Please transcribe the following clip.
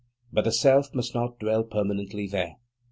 But the Self must not dwell permanently there.